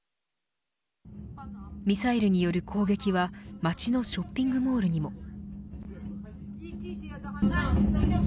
ミサイルによる攻撃は街のショッピングモールにも。